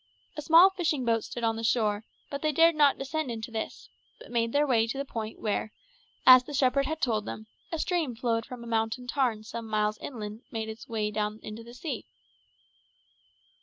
A small fishing boat stood on the shore, but they dared not descend into this, but made their way to the point where, as the shepherd had told them, a stream which flowed from a mountain tarn some miles inland made its way down into the sea.